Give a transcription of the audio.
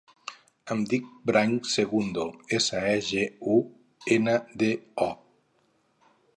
Em dic Brais Segundo: essa, e, ge, u, ena, de, o.